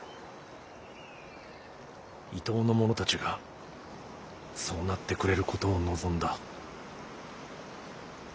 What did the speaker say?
伊東の者たちがそうなってくれることを望んだ。